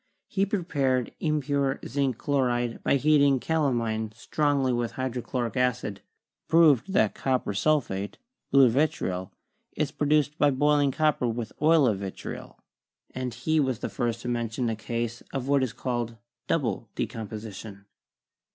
He prepared impure zinc chloride by heating calamine strongly with hydrochloric acid; proved that copper sul phate, blue vitriol, is produced by boiling copper with oil of vitriol; and he was the first to mention a case of what is called double decomposition.